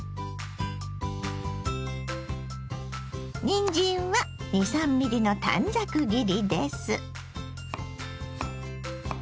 にんじんは２３ｍｍの短冊切りです。